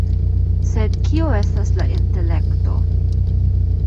Sed kio estas la intelekto?